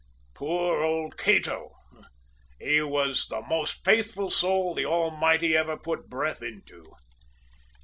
Poor old Cato; he was the most faithful soul the Almighty ever put breath into!